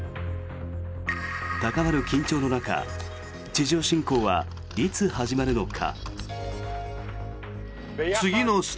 高まる緊張の中地上侵攻はいつ始まるのか。